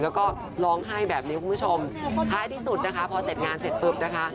แล้วก็ร้องไห้แบบนี้คุณผู้ชมท้ายที่สุดนะคะพอเสร็จงานเสร็จปุ๊บนะคะ